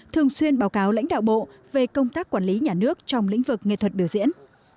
thường xuyên báo cáo lãnh đạo bộ về công tác quản lý nhà nước trong lĩnh vực nghệ thuật biểu diễn